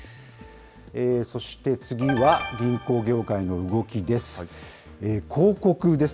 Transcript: そして次は、銀行業界の動きです。